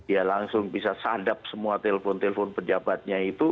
ya langsung bisa sandap semua telpon telpon pejabatnya itu